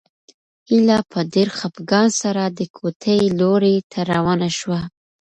هیله په ډېر خپګان سره د کوټې لوري ته روانه شوه.